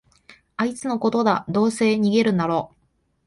あいつのことだ、どうせ逃げるだろ